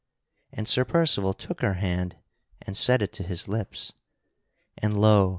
And Sir Percival took her hand and set it to his lips; and lo!